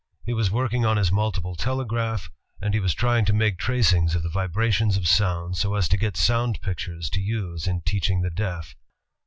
He was working on his multiple telegraph, and he was trying to make tracings of the vibrations of sounds so as to get soimd pictures to use in teaching the deaf.